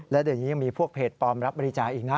อย่างนี้ยังมีพวกเพจปลอมรับบริจาคอีกนะ